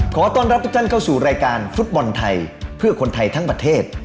ขอต้อนรับทุกท่านเข้าสู่รายการฟุตบอลไทยเพื่อคนไทยทั้งประเทศ